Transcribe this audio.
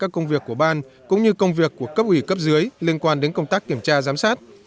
các công việc của ban cũng như công việc của cấp ủy cấp dưới liên quan đến công tác kiểm tra giám sát